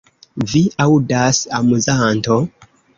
Vi aŭdas, amuzanto?